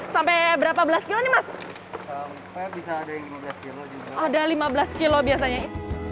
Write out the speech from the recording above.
sampai berapa belas kilo tapi bisa ada yang lima belas kg juga ada lima belas kg